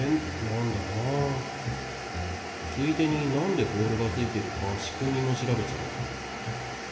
ついでになんでボールがついてるか仕組みも調べちゃおう。